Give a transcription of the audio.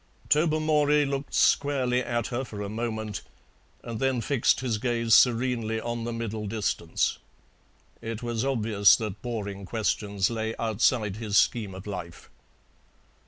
Tobermory looked squarely at her for a moment and then fixed his gaze serenely on the middle distance. It was obvious that boring questions lay outside his scheme of life.